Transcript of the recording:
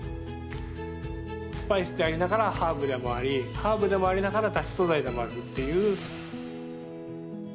スパイスでありながらハーブでもありハーブでもありながらだし素材でもあるっていう。